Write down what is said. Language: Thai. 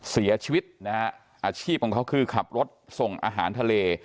เสียชีวิตนะฮะอาชีพของเขาคือขับรถส่งอาหารทะเล